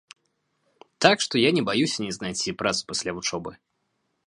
Так што я не баюся не знайсці працу пасля вучобы.